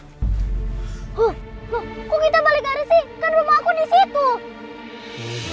kok kita balik arah sih